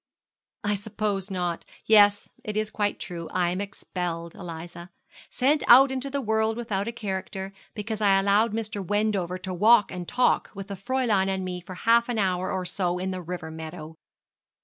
'I suppose not. Yes, it is quite true; I am expelled, Eliza; sent out into the world without a character, because I allowed Mr. Wendover to walk and talk with the Fräulein and me for half an hour or so in the river meadow!